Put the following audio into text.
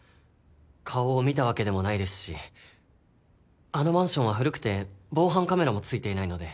顔を見たわけでもないですしあのマンションは古くて防犯カメラもついていないので。